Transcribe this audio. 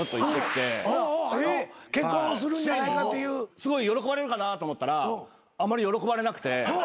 すごい喜ばれるかなと思ったらあまり喜ばれなくて。